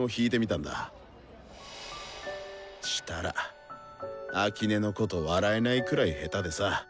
したら秋音のこと笑えないくらい下手でさ。